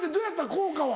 効果は。